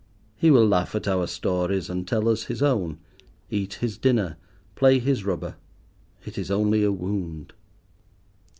He will laugh at our stories and tell us his own; eat his dinner, play his rubber. It is only a wound.